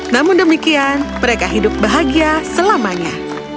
namun demikian mereka hidup bahagia selamanya